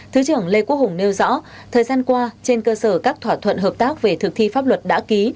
thứ trưởng lê quốc hùng nêu rõ thời gian qua trên cơ sở các thỏa thuận hợp tác về thực thi pháp luật đã ký